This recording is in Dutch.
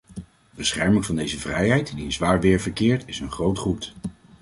Bescherming van deze vrijheid, die in zwaar weer verkeert, is een groot goed.